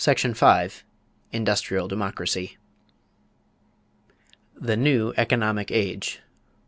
CHAPTER XXIV INDUSTRIAL DEMOCRACY =The New Economic Age.